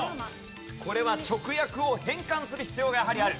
これは直訳を変換する必要がやはりある。